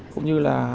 cũng như là